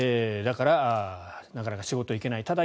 だからなかなか仕事へ行けない。